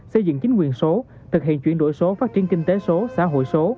xây dựng chính quyền số thực hiện chuyển đổi số phát triển kinh tế số xã hội số